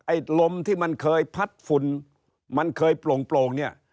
ไอ้ลมที่มันเคยพัดฝุ่นมันเคยโปร่งโปร่งเนี้ย